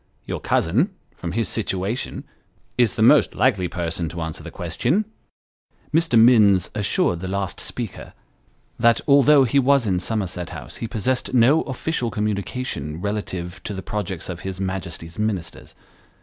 Your cousin, from his situation, is the most likely person to answer the question." Mr. Minns assured the last speaker, that although he was in Somerset House, he possessed no official communication relative to the projects of his Majesty's Ministers.